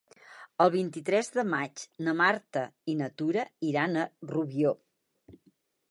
El vint-i-tres de maig na Marta i na Tura iran a Rubió.